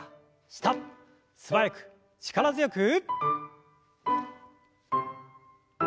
素早く力強く。